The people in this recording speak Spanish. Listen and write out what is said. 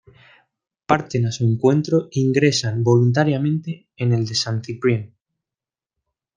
Parten a su encuentro e ingresan voluntariamente en el de Saint-Cyprien.